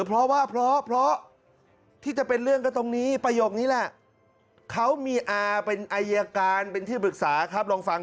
เพราะว่าเพราะที่จะเป็นเรื่องก็ตรงนี้ประโยคนี้แหละ